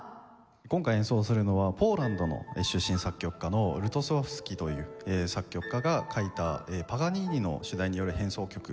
今回演奏するのはポーランド出身作曲家のルトスワフスキという作曲家が書いた『パガニーニの主題による変奏曲』なんですけども。